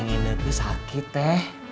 ini sakit ya